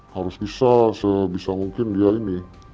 harus bisa sebisa mungkin dia ini